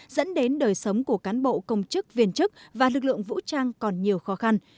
dẫn đến đời sống của cán bộ công chức viên chức và lực lượng vũ trang còn nhiều khó khăn